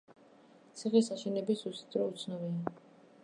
ციხის აშენების ზუსტი დრო უცნობია.